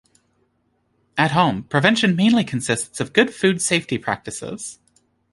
At home, prevention mainly consists of good food safety practices.